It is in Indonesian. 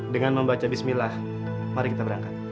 dengan membaca bismillah mari kita berangkat